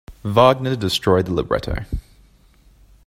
Wagner destroyed the libretto.